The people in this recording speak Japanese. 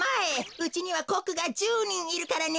うちにはコックが１０にんいるからね。